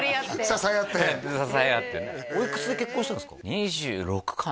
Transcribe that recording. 支え合ってねおいくつで結婚したんですか？